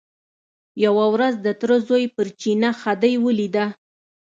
یوه ورځ د تره زوی پر چینه خدۍ ولیده.